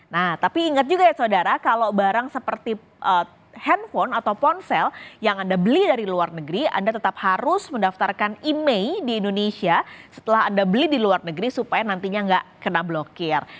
nah tapi ingat juga ya saudara kalau barang seperti handphone atau ponsel yang anda beli dari luar negeri anda tetap harus mendaftarkan email di indonesia setelah anda beli di luar negeri supaya nantinya nggak kena blokir